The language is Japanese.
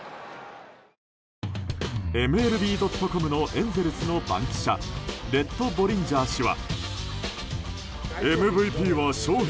ＭＬＢ．ｃｏｍのエンゼルスの番記者レット・ボリンジャー氏は。